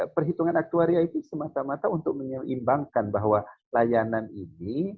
perhitungan aktuaria itu semata mata untuk menyeimbangkan bahwa layanan ini